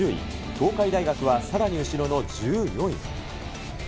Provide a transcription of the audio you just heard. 東海大学はさらに後ろの１４位。